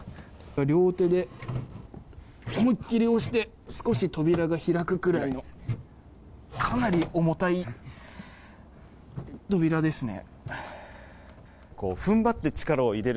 両手で押して少し扉が開くぐらいのかなり重たい扉ですね。